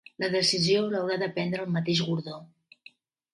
La decisió l'haurà de prendre el mateix Gordó